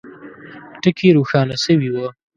ټکي روښانه سوي وه.